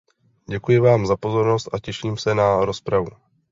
Děkuji vám za pozornost a těším se na rozpravu.